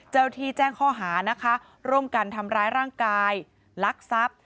เจ้าที่แจ้งข้อหานะคะร่วมกันทำร้ายร่างกายลักทรัพย์